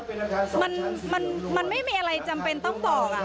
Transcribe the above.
ก็มันไม่มีอะไรจำเป็นต้องบอก